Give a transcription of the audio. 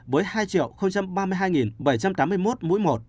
với hai ba mươi hai bảy trăm tám mươi một mũi một